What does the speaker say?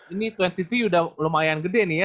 ini dua puluh tiga udah lumayan gede nih ya